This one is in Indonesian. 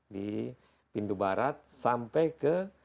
di pintu barat sampai ke